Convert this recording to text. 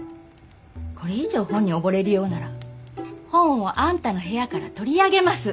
これ以上本に溺れるようなら本をあんたの部屋から取り上げます！